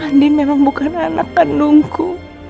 andi memang bukan anak kandungku